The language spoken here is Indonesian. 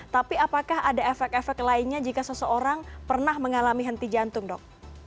tapi apakah ada efek efek lainnya jika seseorang pernah mengalami henti jantung dok